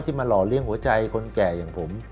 มาหล่อเลี้ยงหัวใจคนแก่อย่างผม